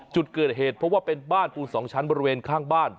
จุดเกิดเหตุพบว่าเป็นบ้านภูมิสองชั้นบริเวณข้างบ้าน